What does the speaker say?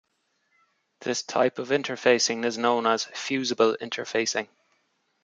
This type of interfacing is known as "fusible" interfacing.